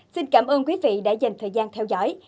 xin cảm ơn quý vị đã dành thời gian theo dõi